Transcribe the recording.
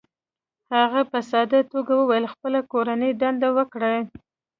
هغې په ساده توګه وویل: "خپله کورنۍ دنده وکړئ،